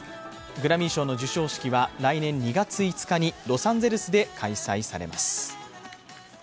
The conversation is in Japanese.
グラミー賞の授賞式は来年２月５日にロサンゼルスで開催されます。